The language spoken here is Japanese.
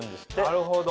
なるほど。